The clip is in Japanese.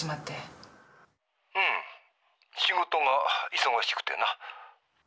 うん仕事が忙しくてな。